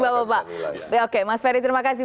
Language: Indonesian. bapak bapak oke mas ferry terima kasih